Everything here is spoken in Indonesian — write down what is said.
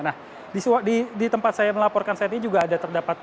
nah di tempat saya melaporkan saat ini juga ada terdapat